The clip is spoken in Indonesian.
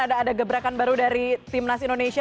ada gebrakan baru dari tim nasi indonesia